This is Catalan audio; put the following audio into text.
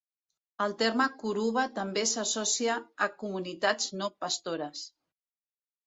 El terme kuruba també s'associa a comunitats no pastores.